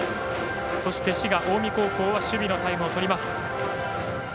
そして、滋賀・近江高校は守備のタイムを取ります。